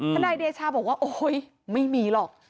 นายเดชาบอกว่าโอ๊ยไม่มีหรอก